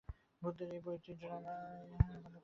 ভুতদের ঐ বইটা ড্রয়ারে তালাবন্ধ করে রেখে দিয়েছি।